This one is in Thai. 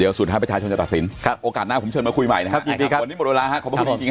เดี๋ยวศูนย์๕ประชาชนจะตัดสินโอกาสหน้าผมเชิญมาคุยใหม่นะครับวันนี้หมดเวลาครับขอบคุณครับ